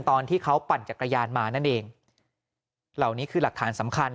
ตอนที่เขาปั่นจักรยานมานั่นเองเหล่านี้คือหลักฐานสำคัญ